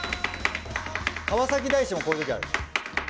川崎大師もこういうときある。